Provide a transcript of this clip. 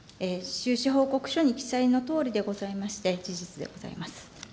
収支報告書に記載のとおりでございまして、事実でございます。